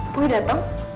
kok dia datang